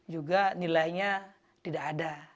juga nilainya tidak ada